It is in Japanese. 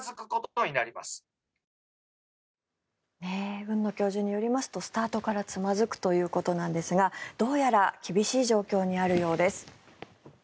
海野教授によりますとスタートからつまずくということなんですがどうやら厳しい状況にあるようです。